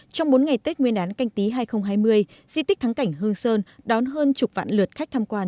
trong bốn ngày tết nguyên đán canh tí hai nghìn hai mươi di tích thắng cảnh hương sơn đón hơn chục vạn lượt khách tham quan